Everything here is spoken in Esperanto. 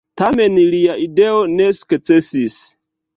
Tamen lia ideo ne sukcesis.